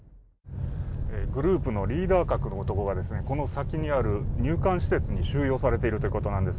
グループのリーダー格の男がこの先にある入管施設に収容されているということなんです